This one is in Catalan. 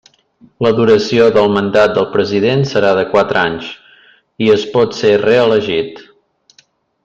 La duració del mandat del president serà de quatre anys, i es pot ser reelegit.